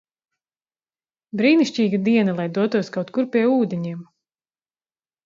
Brīnišķīga diena, lai dotos kaut kur pie ūdeņiem!